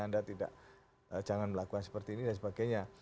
anda tidak jangan melakukan seperti ini dan sebagainya